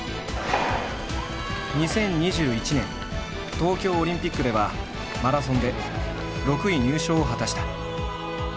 ２０２１年東京オリンピックではマラソンで６位入賞を果たした。